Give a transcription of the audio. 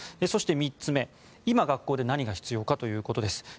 そして３つ目、今、学校で何が必要かということです。